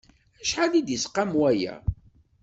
Acḥal i d-isqam waya?